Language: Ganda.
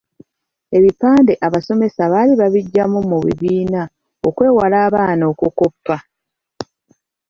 Ebipande abasomesa baali baabigyamu mu bibiina okwewala abaana okukoppa.